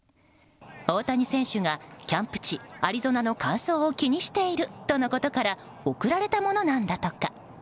大谷選手がキャンプ地アリゾナの乾燥を気にしているとのことから贈られたものなんだとか。